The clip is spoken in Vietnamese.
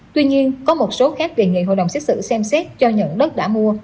tuy nhiên có một số khác đề nghị hội đồng xét xử xem xét cho nhận đất đã mua